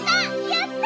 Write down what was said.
やった！